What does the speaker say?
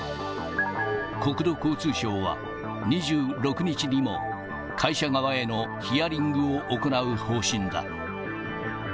国土交通省は、２６日にも会社側へのヒアリングを行う方針だ。